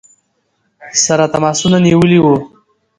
سره تماسونه نیولي ؤ.